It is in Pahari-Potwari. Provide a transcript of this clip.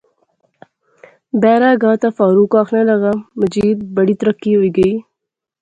بیرا گا تے فاروق آخنے لاغا مجید بڑی ترقی ہوئی گئی